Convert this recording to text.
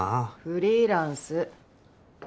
フリーランス。